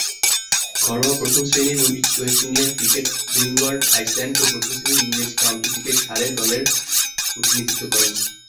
ঘরোয়া প্রথম-শ্রেণীর West Indian ক্রিকেটে উইন্ডওয়ার্ড আইল্যান্ডস ও প্রথম-শ্রেণীর ইংরেজ কাউন্টি ক্রিকেটে সারে দলের প্রতিনিধিত্ব করেন।